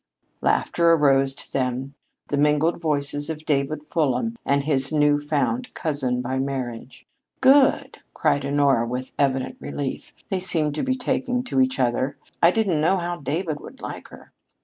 Laughter arose to them the mingled voices of David Fulham and his newfound cousin by marriage. "Good!" cried Honora with evident relief. "They seem to be taking to each other. I didn't know how David would like her."